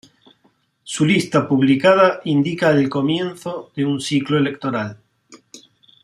Su lista publicada indica el comienzo de un ciclo electoral.